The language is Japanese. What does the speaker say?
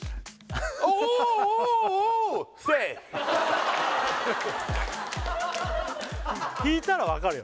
おおお引いたら分かるよ